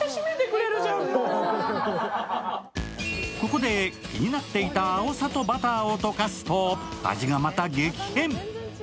ここで気になっていたあおさとバターを溶かすと味が、また激変。